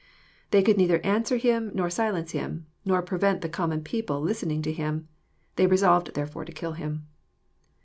They could neither answer Him, nor silence Him, nor prevent the common people listening to Him. They resolved therefore to kill Him.